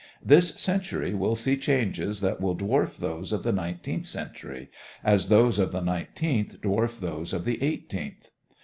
This century will see changes that will dwarf those of the nineteenth century, as those of the nineteenth dwarf those of the eighteenth.